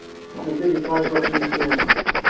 Mazal yesɛa cwiṭ n ussirem.